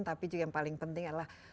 tapi juga yang paling penting adalah